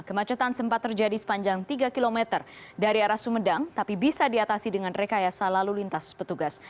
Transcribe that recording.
kemacetan sempat terjadi sepanjang tiga km dari arah sumedang tapi bisa diatasi dengan rekayasa lalu lintas petugas